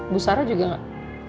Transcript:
bu sara juga gak